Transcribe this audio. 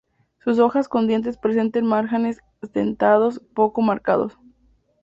Sus hojas con dientes presentes márgenes dentados poco marcados.